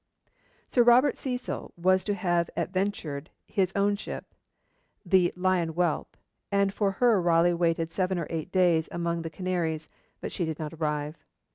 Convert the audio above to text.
Sir Robert Cecil was to have adventured his own ship, the 'Lion's Whelp,' and for her Raleigh waited seven or eight days among the Canaries, but she did not arrive.